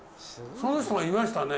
その人がいましたね